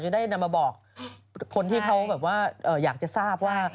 จะได้นำมาบอกคนที่เขาอยากจะทราบว่า